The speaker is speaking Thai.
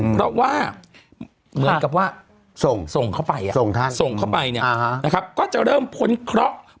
เพราะว่าเหมือนกับว่าส่งเข้าไปส่งเข้าไปเนี่ยนะครับก็จะเริ่มพ้นเคราะห์